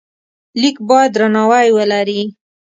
لیک باید درناوی ولري.